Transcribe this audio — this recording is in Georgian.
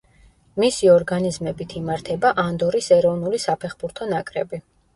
მისი ორგანიზებით იმართება ანდორის ეროვნული საფეხბურთო ნაკრები.